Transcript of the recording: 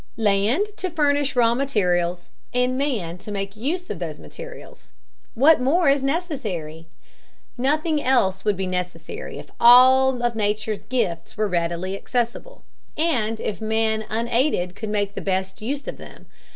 Land to furnish raw materials, and man to make use of those materials, what more is necessary? Nothing else would be necessary if all of Nature's gifts were readily accessible, and if man unaided could make the best use of them.